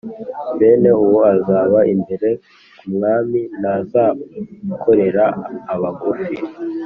bene uwo azaba imbere ku mwami, ntazakorera abagufi